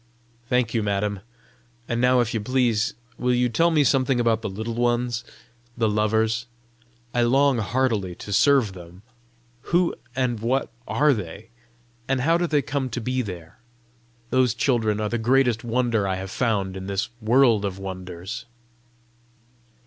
"I thank you, madam. And now, if you please, will you tell me something about the Little Ones the Lovers? I long heartily to serve them. Who and what are they? and how do they come to be there? Those children are the greatest wonder I have found in this world of wonders."